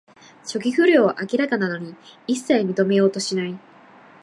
初期不良は明らかなのに、いっさい認めようとしない